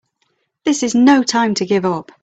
This is no time to give up!